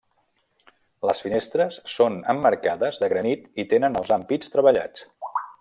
Les finestres són emmarcades de granit i tenen els ampits treballats.